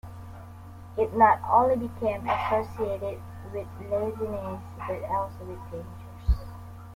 It not only became associated with laziness, but also with danger.